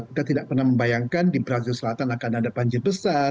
kita tidak pernah membayangkan di brazil selatan akan ada banjir besar